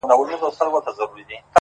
• آسمانه واخله ککرۍ درغلې,